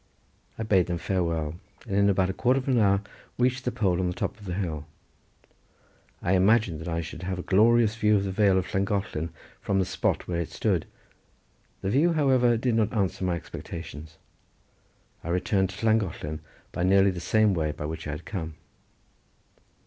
I bade them farewell, and in about a quarter of an hour reached the pole on the top of the hill. I imagined that I should have a glorious view of the vale of Llangollen from the spot where it stood; the view, however, did not answer my expectations. I returned to Llangollen by nearly the same way by which I had come.